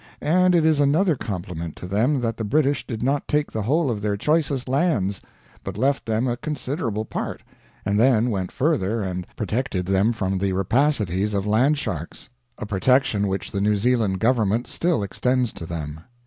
And it is another compliment to them that the British did not take the whole of their choicest lands, but left them a considerable part, and then went further and protected them from the rapacities of landsharks a protection which the New Zealand Government still extends to them.